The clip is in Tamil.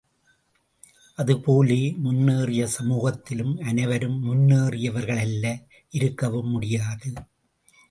அது போலவே முன்னேறிய சமூகத்திலும் அனைவரும் முன்னேறியவர்கள் அல்ல இருக்கவும் முடியாது.